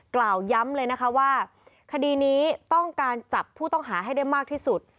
กล่าวย้ำเลยนะคะว่าคดีนี้ต้องการจับผู้ต้องหาให้ได้มากที่สุด